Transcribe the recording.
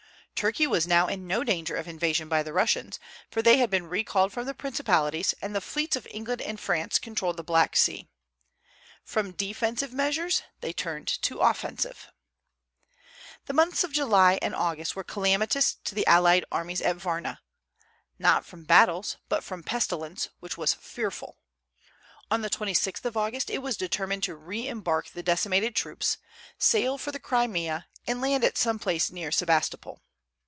Turkey was now in no danger of invasion by the Russians, for they had been recalled from the principalities, and the fleets of England and France controlled the Black Sea. From defensive measures they turned to offensive. The months of July and August were calamitous to the allied armies at Varna; not from battles, but from pestilence, which was fearful. On the 26th of August it was determined to re embark the decimated troops, sail for the Crimea, and land at some place near Sebastopol.